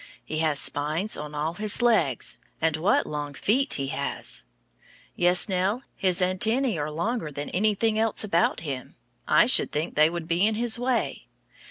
He has spines on all his legs, and what long feet he has! Yes, Nell, his antennæ are longer than anything else about him. I should think they would be in his way.